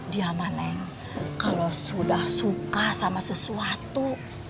dia ma neng kalau sudah suka sama sesuatu